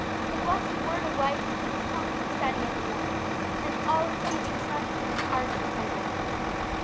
The blessed word of life became his constant study and delight, and all its teachings found in him an ardent disciple.